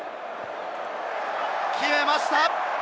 決めました！